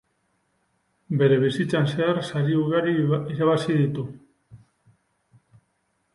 Bere bizitzan zehar sari ugari irabazi ditu.